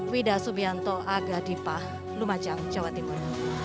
wida subianto aga dipah lumajang jawa timur